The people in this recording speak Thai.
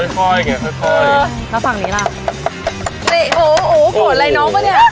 ค่อยค่อยไงค่อยค่อยเออแล้วฝั่งนี้ล่ะโหโหโหโหอะไรน้องวะเนี้ย